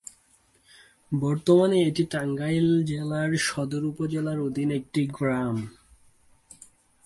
বর্তমানে এটি টাঙ্গাইল জেলার সদর উপজেলার অধীন একটি গ্রাম।